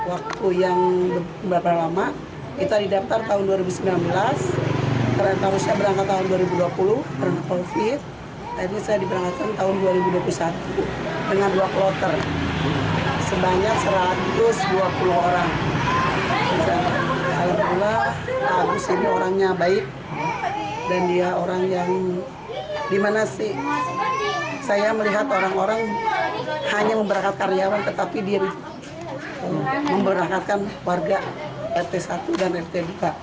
agus ini orangnya baik dan dia orang yang dimana sih saya melihat orang orang hanya memberangkat karyawan tetapi dia memberangkatkan warga rt satu dan rt dua